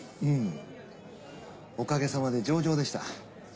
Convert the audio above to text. うんおかげさまで上々でした。